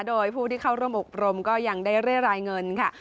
โดยผู้ที่เข้าร่วมอบรมก็ยังได้เรียรายเงินค่ะ